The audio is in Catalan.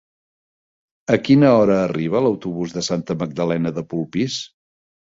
A quina hora arriba l'autobús de Santa Magdalena de Polpís?